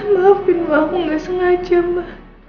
maafinmu aku gak sengaja ma